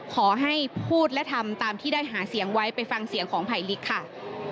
ขอให้พูดและทำตามที่ได้หาเสียงไว้ไปฟังเสียงของภัยลิกค่ะ